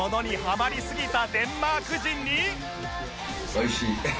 おいしい。